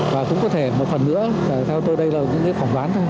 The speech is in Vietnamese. và cũng có thể một phần nữa theo tôi đây là những phỏng ván thôi